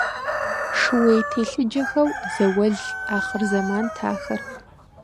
Шууей телъыджэхэу, зауэлӀ ахъырзэмант ахэр!